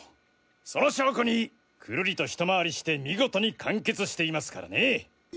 その証拠にくるりとひと回りして見事に完結していますからね。